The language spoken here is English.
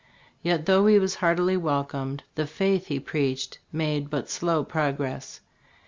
Yet, though he was heartily welcomed, the faith he preached made but slow progress.